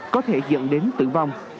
có thể dẫn đến tử vong